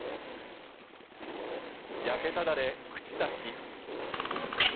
焼けただれ、朽ちた木。